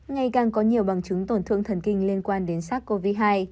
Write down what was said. ngày càng có nhiều bằng chứng tổn thương thần kinh liên quan đến sars cov hai